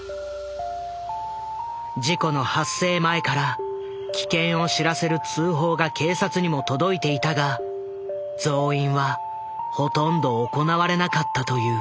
事故の発生前から危険を知らせる通報が警察にも届いていたが増員はほとんど行われなかったという。